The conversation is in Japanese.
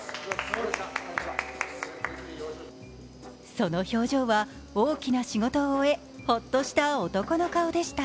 その表情は、大きな仕事を終えほっとした男の顔でした。